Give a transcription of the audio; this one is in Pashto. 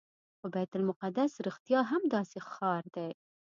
خو بیت المقدس رښتیا هم داسې ښار دی.